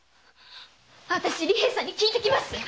あたし利平さんに訊いてきます！